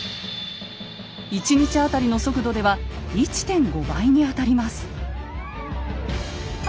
１日当たりの速度では１．５倍にあたります。